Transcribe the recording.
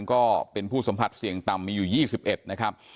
ก็เป็นผู้สัมผัสเสี่ยงต่ำมีอยู่๒๑นะครับ